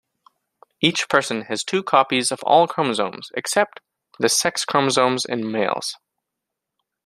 Each person has two copies of all chromosomes, except the sex chromosomes in males.